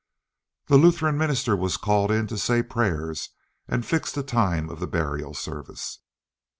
The Lutheran minister was called in to say prayers and fix the time of the burial service.